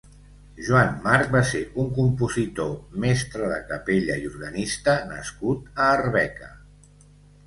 Joan Marc va ser un compositor, mestre de capella i organista nascut a Arbeca.